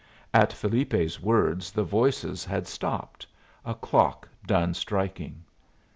At Felipe's words the voices had stopped, a clock done striking.